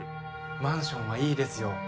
マンションはいいですよ。